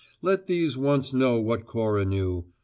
Let these once know what Cora knew.